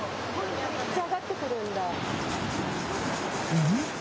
うん？